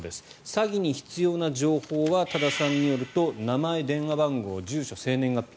詐欺に必要な情報は多田さんによると名前、電話番号、住所生年月日。